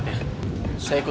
saya harus pergi